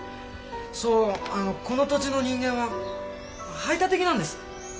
そうあのこの土地の人間は排他的なんです。